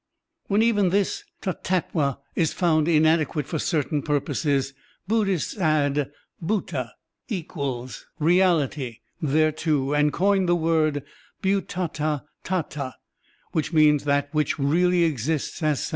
When even this Tathfttva is found inadequate for certain purposes, Buddhists add Bhdta^ reality thereto and coin the word Bh^atathatA, which means "that which really exists as such."